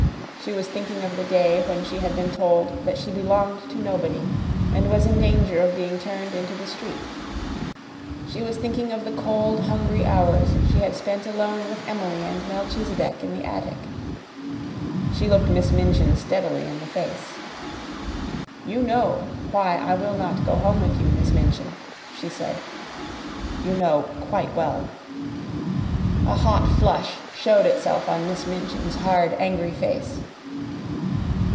She was thinking of the day when she had been told that she belonged to nobody, and was in danger of being turned into the street; she was thinking of the cold, hungry hours she had spent alone with Emily and Melchisedec in the attic. She looked Miss Minchin steadily in the face. "You know why I will not go home with you, Miss Minchin," she said; "you know quite well." A hot flush showed itself on Miss Minchin's hard, angry face.